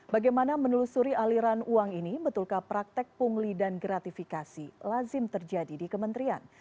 bagaimana menelusuri aliran uang ini betulkah praktek pungli dan gratifikasi lazim terjadi di kementerian